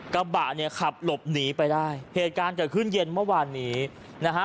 กระบะเนี่ยขับหลบหนีไปได้เหตุการณ์เกิดขึ้นเย็นเมื่อวานนี้นะฮะ